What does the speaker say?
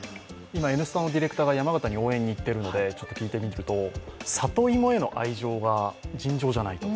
今、「Ｎスタ」のディレクターが山形に応援に行っているので聞いてみると、里芋への愛情が尋常じゃないと。